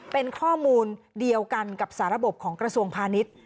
เป็นข้อมูลเดียวกันกับสาระบบของกระทรวงพาณิชย์